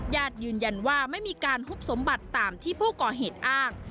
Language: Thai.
ญาติยืนยันว่าไม่มีการหุบสมบัติตามที่ผู้ก่อเหตุอ้าง